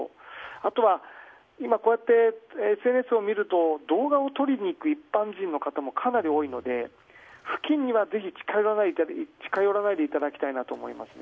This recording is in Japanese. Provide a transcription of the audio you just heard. あとはこうやって映像を見ると動画を撮りに行く一般人もかなり多いので付近には近寄らないでいただきたいなと思います。